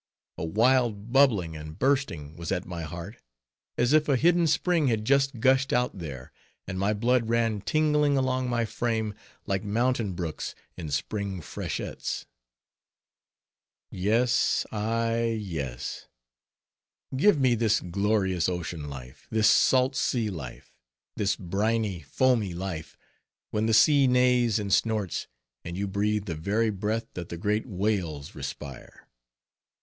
A wild bubbling and bursting was at my heart, as if a hidden spring had just gushed out there; and my blood ran tingling along my frame, like mountain brooks in spring freshets. Yes! yes! give me this glorious ocean life, this salt sea life, this briny, foamy life, when the sea neighs and snorts, and you breathe the very breath that the great whales respire!